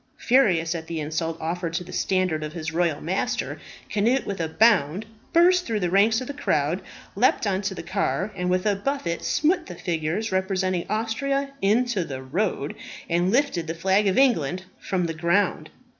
Furious at the insult offered to the standard of his royal master, Cnut, with a bound, burst through the ranks of the crowd, leaped on to the car, and with a buffet smote the figure representing Austria, into the road, and lifted the flag of England from the ground.